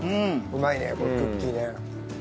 うまいねこのクッキーね。